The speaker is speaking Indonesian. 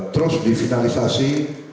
terus di finalisasi